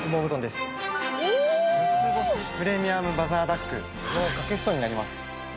６つ星プレミアムマザーダック羽毛掛け布団になります。